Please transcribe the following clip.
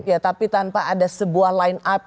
ya tapi tanpa ada sebuah line up